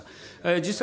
実際、